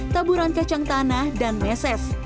taburan kacang tanah dan meses